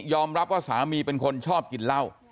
ว่าสามีเป็นคนชอบกินเหล้า